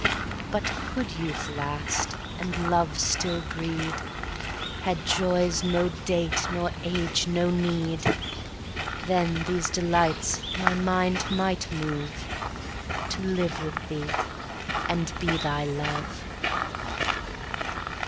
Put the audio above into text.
But could youth last and love still breed, Had joys no date nor age no need, Then these delights my mind might move To live with thee and be thy love.